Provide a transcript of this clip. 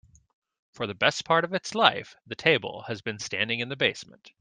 For the best part of its life, the table has been standing in the basement.